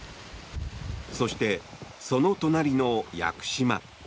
そして、その隣の屋久島。